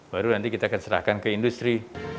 baru nanti kita akan serahkan ke industri